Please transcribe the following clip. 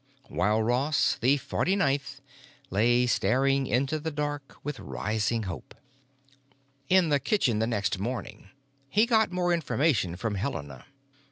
While Ross, the forty ninth, lay staring into the dark with rising hope. In the kitchen the next morning he got more information from Helena.